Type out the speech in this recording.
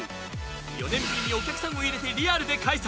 ４年ぶりにお客さんを入れてリアルで開催。